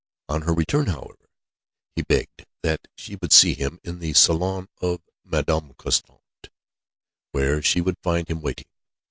On her return, however, he begged that she would see him, in the salon of Madame Constant, where she would find him waiting.